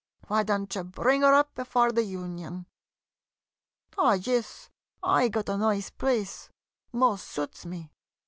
Why don't you bring 'er up before the Union ? Ah, yis — I got a noice place — 'mos' suits me!